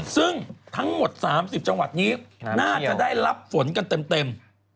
ซึ่งทั้งหมด๓๐จังหวัดนี้น่าจะได้รับฝนกันเต็ม